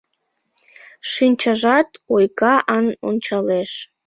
Шинчажат ойга-ан ончалеш.